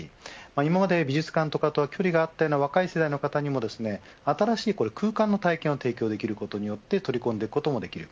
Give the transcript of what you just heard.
今まで美術館と距離があった若い世代の方にも新しい空間の体験を提供できることによって取り込んでいくこともできる。